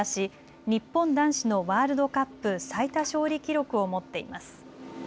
日本男子のワールドカップ最多勝利記録を持っています。